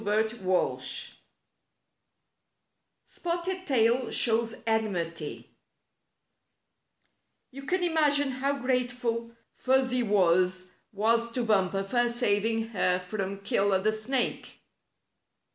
STORY IV ts^OFTED TAIL SHOWS ENMITY You can imagine how grateful Fuzzy Wuzz was to Bumper for saving her from Killer the Snake!